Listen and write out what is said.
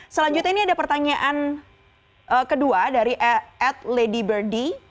selanjutnya ini ada pertanyaan kedua dari at lady birdie